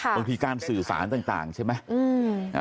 บางทีการสื่อสารต่างใช่ไหม